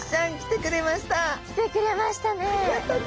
来てくれましたね。